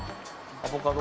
「アボカド？」